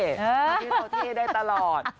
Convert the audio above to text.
พี่โรเท่ได้ตลอด